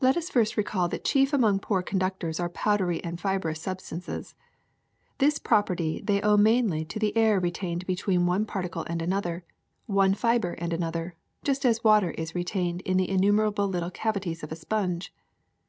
Let us first recall that chief among poor conductors are powdery and fibrous substances. This property they owe mainly to the air retained between one particle and another, one fiber and an other, just as water is retained in the innumerable little cavities of a sponge.